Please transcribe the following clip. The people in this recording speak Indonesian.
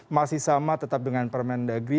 masih sama tetap dengan permendagri